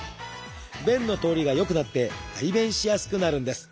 便の通りが良くなって排便しやすくなるんです。